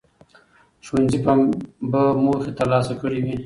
ښوونځي به موخې ترلاسه کړي وي.